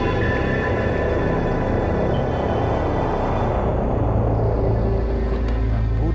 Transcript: mereka iraling ke hutan bambu itu